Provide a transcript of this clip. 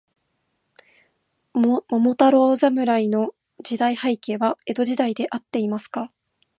桃太郎侍の時代背景は、江戸時代であっていますか。